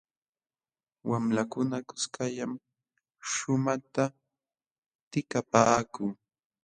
Wamlakuna kuskallam shumaqta takipaakun.